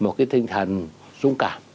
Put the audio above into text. một cái tình hình dũng cảm